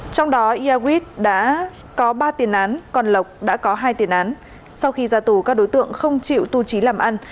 trong đó yagit đã có ba tiền án còn lộc đã có hai tiền án sau khi ra tù các đối tượng không chịu tu trí làm ăn